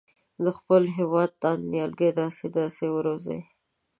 د خپل هېواد تاند نیالګي دې داسې وروزي.